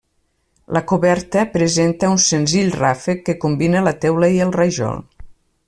La coberta presenta un senzill ràfec que combina la teula i el rajol.